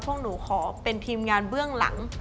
พวกหนูขอเป็นทีมงานเบื้องหลัง